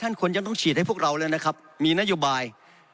ท่านคนยังต้องฉีดให้พวกเราเลยนะครับมีนัยยุบาย